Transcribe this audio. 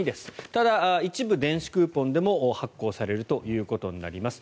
ただ、一部電子クーポンでも発行されることになります。